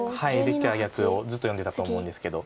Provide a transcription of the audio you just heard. できたら逆をずっと読んでたと思うんですけど。